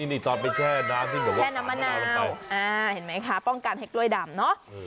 นี่ตอนไปแช่น้ำน้ำมะนาวเห็นไหมคะป้องกันให้กล้วยดำเนาะ